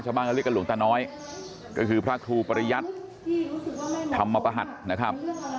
ชาวบ้านก็เรียกกันหลวงตาน้อยก็คือพระครูปริญญัติธรรมพหัสนะครับ